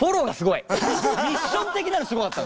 ミッション的なのすごかった。